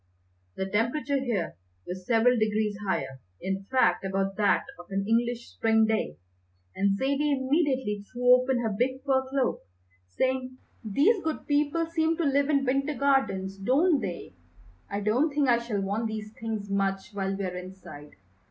The temperature here was several degrees higher, in fact about that of an English spring day, and Zaidie immediately threw open her big fur cloak, saying: "These good people seem to live in Winter Gardens, don't they? I don't think I shall want these things much while we're inside.